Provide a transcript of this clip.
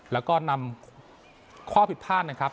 แล้วก็นำข้อผิดพลาดนะครับ